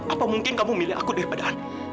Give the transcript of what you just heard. apa mungkin kamu milih aku daripada anda